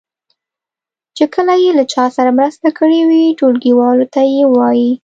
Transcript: چې کله یې له چا سره مرسته کړې وي ټولګیوالو ته یې ووایي.